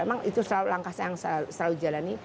memang itu langkah saya yang selalu jalani